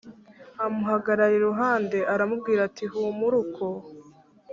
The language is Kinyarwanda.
amuhagarara iruhande aramubwira ati humura uko